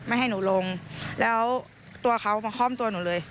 ให้หนูลงแล้วตัวเขามาคล่อมตัวหนูเลย